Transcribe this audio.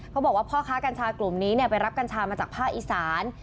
บอกว่าพ่อค้ากัญชากลุ่มนี้ไปรับกัญชามาจากภาคอีสาน